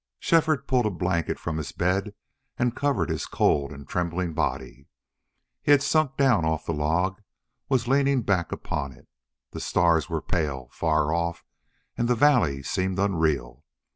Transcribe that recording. Shefford pulled a blanket from his bed and covered his cold and trembling body. He had sunk down off the log, was leaning back upon it. The stars were pale, far off, and the valley seemed unreal.